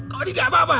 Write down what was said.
kau tidak apa apa